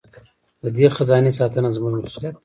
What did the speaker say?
د دې خزانې ساتنه زموږ مسوولیت دی.